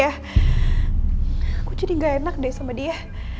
aku jadi gak enak deh sama dia